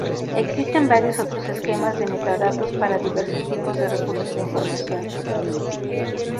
Existen varios otros esquemas de metadatos para diversos tipos de recursos de información.